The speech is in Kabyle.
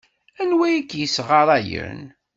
Anwa ay k-yessɣarayen?